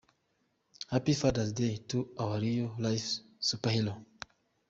Happy Father’s Day to our real life superhero.